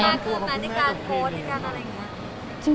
แล้วต้องบอกว่าคุณแม่กลัวมาที่การโพสต์อะไรอย่างนี้